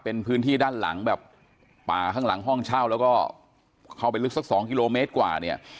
เป็นพื้นที่ด้านหลังแบบป่าข้างหลังห้องเช่าแล้วก็เข้าไปลึกสักสองกิโลเมตรกว่าเนี่ย